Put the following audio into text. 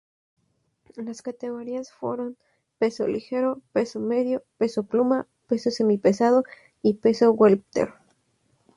Las categorías fueron peso ligero, peso medio, peso pluma, peso semipesado y peso welter.